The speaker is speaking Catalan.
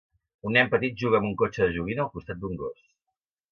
un nen petit juga amb un cotxe de joguina al costat d'un gos.